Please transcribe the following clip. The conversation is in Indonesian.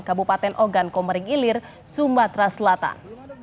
kabupaten ogan komering ilir sumatera selatan